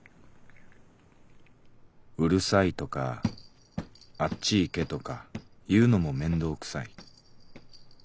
「ウルサイとかあっち行けとか言うのも面倒くさい」。